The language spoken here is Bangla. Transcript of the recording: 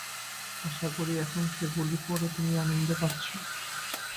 আশা করি, এখন সেগুলি পড়ে তুমি আনন্দ পাচ্ছ।